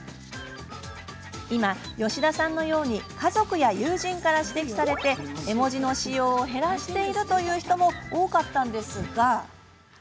今、吉田さんのように家族や友人から指摘されて絵文字の使用を減らしているという人も多かったんですが。